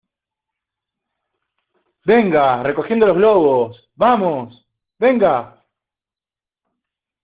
venga, recogiendo los globos. ¡ vamos , venga!